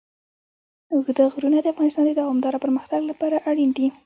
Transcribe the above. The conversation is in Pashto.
اوږده غرونه د افغانستان د دوامداره پرمختګ لپاره اړین دي.